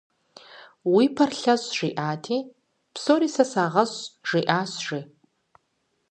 «Уи пэр лъэщӏ» жаӏати, «Псори сэ сагъэщӏ» жиӏащ, жи.